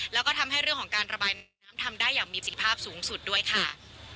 แล้วก็ทำให้เรื่องของการระบายน้ำทำได้อย่างมีสิทธิภาพสูงสุดด้วยค่ะ